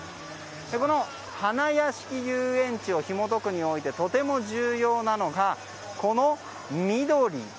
この花やしき遊園地をひもとくにおいてとても重要なのが、この緑。